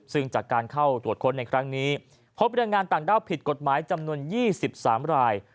ซึ่งจากการเข้าตรวจค้นในครั้งนี้พบแรงงานต่างด้าวผิดกฎหมายจำนวน๒๓ราย